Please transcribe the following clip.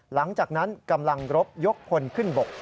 หลังจากนั้นกำลังรบยกพลขึ้นบก